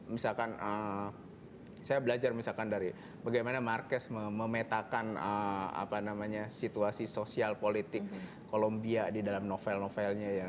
bagaimana misalkan saya belajar misalkan dari bagaimana marquez memetakan apa namanya situasi sosial politik kolombia di dalam novel novelnya